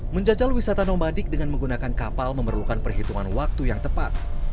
menjajal wisata nomadik dengan menggunakan kapal memerlukan perhitungan waktu yang tepat